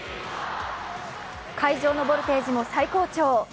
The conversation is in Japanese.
会場のボルテージも最高潮。